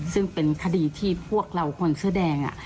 ซึ่งเป็นคดีที่พวกเราคนเสื้อแดง